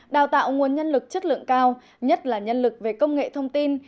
đào tạo nguồn nhân lực chất lượng cao nhất là nhân lực về công nghệ thông tin